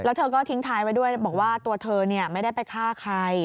แล้วเธอก็ทิ้งท้ายไว้ด้วยบอกว่าตัวเธอไม่ได้ไปฆ่าใคร